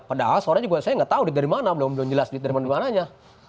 padahal soalnya saya nggak tahu dari mana belum jelas dari mana mana aja